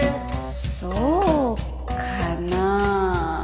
そうかな。